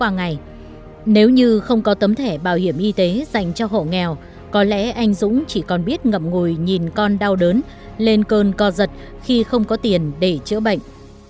nếu như không có tấm thẻ bảo hiểm y tế dành cho hộ nghèo có lẽ anh dũng chỉ còn biết ngậm ngùi nhìn con đau đớn lên cơn co giật khi không có tiền để chữa bệnh